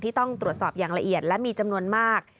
ต้องตรวจสอบอย่างละเอียดและมีจำนวนมาก